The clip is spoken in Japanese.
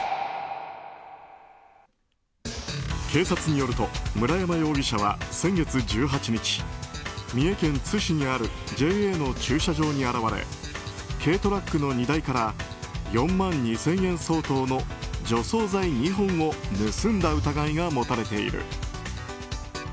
警察によると村山容疑者は、先月１８日三重県津市にあるＪＡの駐車場に現れ軽トラックの荷台から４万２０００円相当の除草剤２本を盗んだ疑いが持たれている。